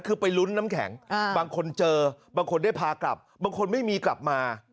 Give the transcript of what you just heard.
คือไปลุ้นน้ำแข็งบางคนเจอบางคนได้พากลับบางคนไม่มีกลับมา